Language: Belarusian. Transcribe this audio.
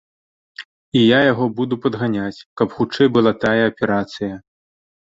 І я яго буду падганяць, каб хутчэй была тая аперацыя.